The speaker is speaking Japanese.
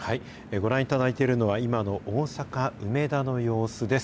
ご覧いただいているのは、今の大阪・梅田の様子です。